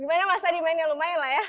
gimana masa di mainnya lumayan lah ya